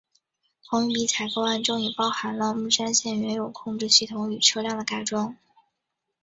同一笔采购案中也包含了木栅线原有控制系统与车辆的改装。